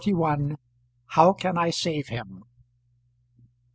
HOW CAN I SAVE HIM?